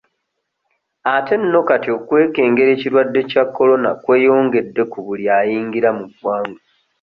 Ate nno kati okwekengera ekirwadde kya Corona kweyongedde ku buli ayingira mu ggwanga.